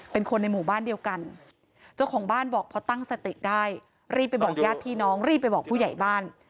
เป็นคนในหมู่บ้านเดียวกันเจ้าของบ้านบอกพอตั้งสติได้รีบไปบอกญาติพี่น้องรีบไปบอกผู้ใหญ่บ้าน